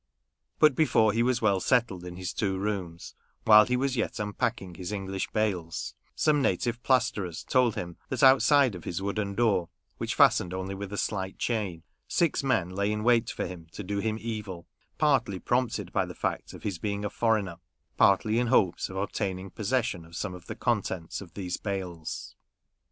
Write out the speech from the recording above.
But before he was well settled in his two rooms, while he was yet unpacking his English bales, some native plasterers told him that, outside of his wooden door (which fastened only with a slight chain), six men lay in wait for him to do him evil, partly prompted by the fact of his being a foreigner, partly in hopes of obtaining possession of some of the contents of these bales.